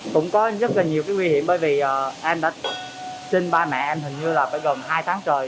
cũng có rất là nhiều cái nguy hiểm bởi vì em đã trên ba mẹ em hình như là phải gần hai tháng trời